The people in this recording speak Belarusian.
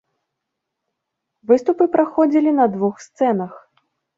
Выступы праходзілі на двух сцэнах.